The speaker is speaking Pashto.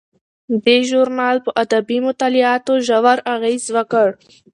دې ژورنال په ادبي مطالعاتو ژور اغیز وکړ.